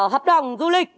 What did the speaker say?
hợp đồng du lịch